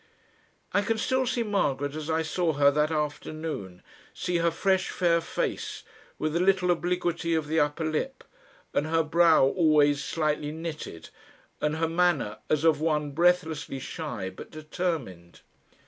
I can still see Margaret as I saw her that afternoon, see her fresh fair face, with the little obliquity of the upper lip, and her brow always slightly knitted, and her manner as of one breathlessly shy but determined.